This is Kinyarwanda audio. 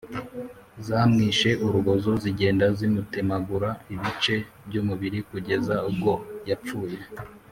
Zamwishe urubozo zigenda zimutemaguraho ibice by’ umubiri kugeza ubwo yapfuye